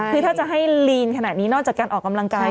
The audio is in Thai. คือถ้าจะให้ลีนขนาดนี้นอกจากการออกกำลังกาย